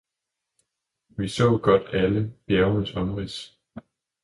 vi så godt alle bjergenes omrids.